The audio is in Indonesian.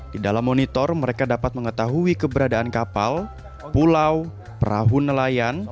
di dalam monitor mereka dapat mengetahui keberadaan kapal pulau perahu nelayan